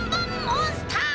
モンスター？